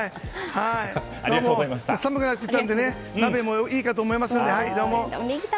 寒くなってきたので鍋もいいかと思いますので。